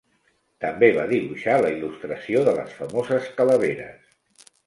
També va dibuixar la il·lustració de les famoses calaveres.